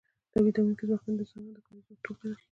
تولیدونکي ځواکونه د انسانانو د کاري ځواک ټولګه ده.